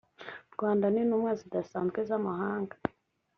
rwanda n intumwa zidasanzwe z amahanga